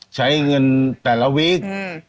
ใช้เงินแต่ละวิก